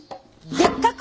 でっかく！